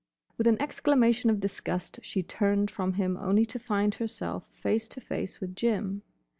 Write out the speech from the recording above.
With an exclamation of disgust she turned from him only to find herself face to face with Jim.